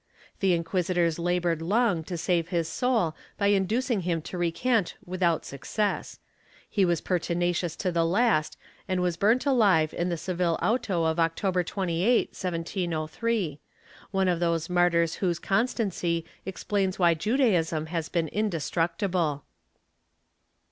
The inquisitors labored long to save his soul by inducing him to recant without success; he was perti nacious to the last and was burnt alive in the Seville auto of October 28, 1703 — one of those martyrs whose constancy explains why Judaism has been indestructible.